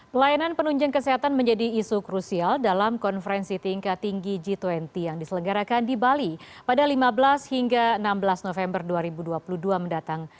pelayanan penunjang kesehatan menjadi isu krusial dalam konferensi tingkat tinggi g dua puluh yang diselenggarakan di bali pada lima belas hingga enam belas november dua ribu dua puluh dua mendatang